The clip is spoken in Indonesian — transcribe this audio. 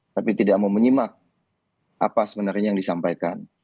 tapi tidak mau menyimak apa sebenarnya yang disampaikan